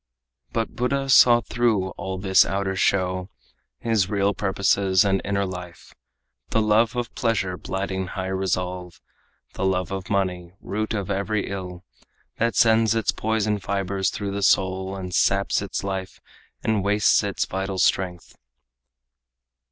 But Buddha saw through all this outer show His real purposes and inner life: The love of pleasure blighting high resolve, The love of money, root of every ill, That sends its poison fibers through the soul And saps its life and wastes its vital strength.